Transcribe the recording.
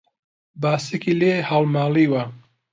باسکی لێ هەڵماڵیوە